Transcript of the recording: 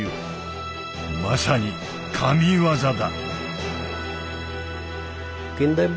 まさに神技だ。